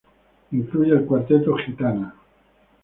Incluye el cuarteto "Gitana".